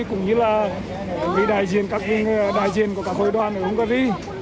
cũng như là vị đại diện các đại diện của các hội đoàn ở hungary